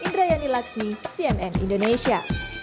dayani laksmi cnn indonesia